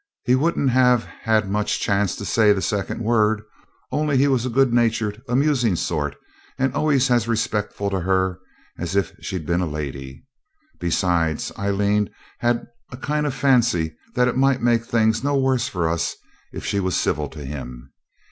He wouldn't have had much chance of saying the second word, only he was a good natured, amusing sort, and always as respectful to her as if she'd been a lady. Besides, Aileen had a kind of fancy that it might make things no worse for us if she was civil to him.